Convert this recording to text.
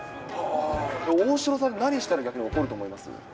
大城さん、何したら逆に怒ると思います？